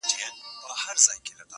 زه سلطان یم د هوا تر آسمانونو-